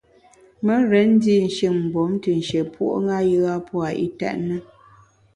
Me rén ndi shin mgbom te nshié puo’ ṅa a pua’ itèt na.